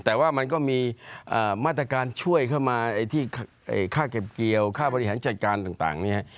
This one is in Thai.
แต่ว่ามันก็มีมาตรการช่วยเข้ามาที่ค่าเก็บเกี่ยวค่าบริหารจัดการต่างเนี่ย